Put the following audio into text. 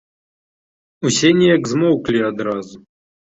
Усе неяк змоўклі адразу.